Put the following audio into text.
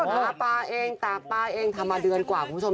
หาปลาเองตากปลาเองทำมาเดือนกว่าคุณผู้ชม